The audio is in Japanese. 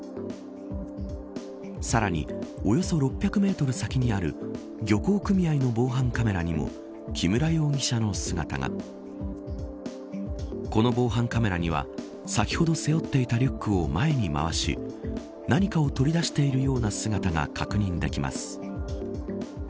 さらにおよそ６０メートル先にある漁港組合の防犯カメラにも木村容疑者の姿がこの防犯カメラには先ほど背負っていたリュックを前に回し何かを取り出しているような姿が確認できます。